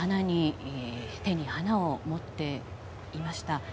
手に花を持っていました。